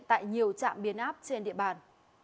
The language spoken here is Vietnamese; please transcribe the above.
tại nhiều trạm biến áp trên địa bàn